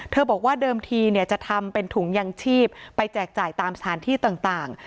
บอกว่าเดิมทีเนี่ยจะทำเป็นถุงยังชีพไปแจกจ่ายตามสถานที่ต่าง